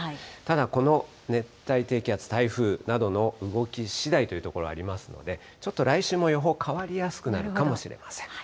ただ、この熱帯低気圧、台風などの動きしだいというところ、ありますので、ちょっと来週の予報、変わりやすくなるかもしれません。